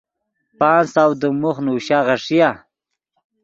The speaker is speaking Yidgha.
پانچ سو دیم موخ نوشا غیݰیا۔